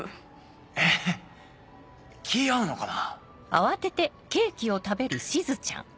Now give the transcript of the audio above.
えっ気合うのかな？